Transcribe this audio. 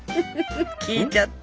聞いちゃった。